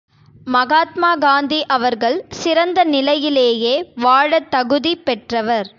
மகாத்மா காந்தி அவர்கள் சிறந்த நிலையிலேயே வாழத் தகுதி பெற்றவர்.